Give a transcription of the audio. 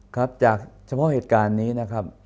ครับจากเฉพาะเหตุการณ์นี้นะครับ